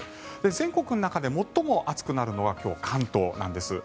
全国の中で最も暑くなるのは今日、関東なんです。